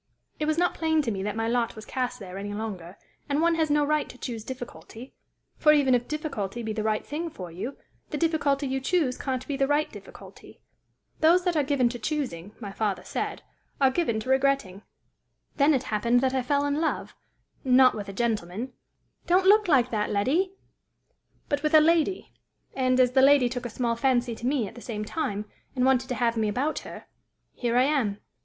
It was not plain to me that my lot was cast there any longer, and one has no right to choose difficulty; for, even if difficulty be the right thing for you, the difficulty you choose can't be the right difficulty. Those that are given to choosing, my father said, are given to regretting. Then it happened that I fell in love not with a gentleman don't look like that, Letty but with a lady; and, as the lady took a small fancy to me at the same time, and wanted to have me about her, here I am."